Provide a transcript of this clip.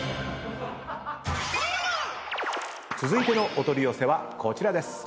続いてのお取り寄せはこちらです。